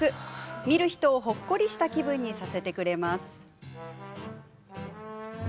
見る人を、ほっこりした気分にさせてくれます。